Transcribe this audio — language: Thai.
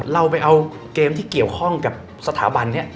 เราไปเอาเกมที่เกี่ยวข้องกับสถาบันนี้